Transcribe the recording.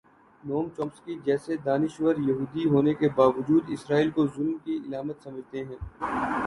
نوم چومسکی جیسے دانش وریہودی ہونے کے باوجود اسرائیل کو ظلم کی علامت سمجھتے ہیں۔